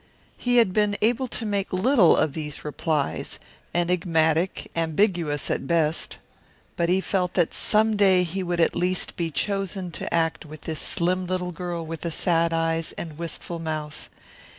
He had been able to make little of these replies, enigmatic, ambiguous, at best. But he felt that some day he would at least be chosen to act with this slim little girl with the sad eyes and wistful mouth.